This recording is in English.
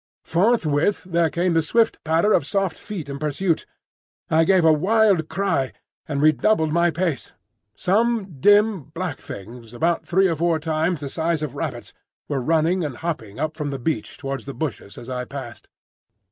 Forthwith there came the swift patter of soft feet in pursuit. I gave a wild cry, and redoubled my pace. Some dim, black things about three or four times the size of rabbits went running or hopping up from the beach towards the bushes as I passed.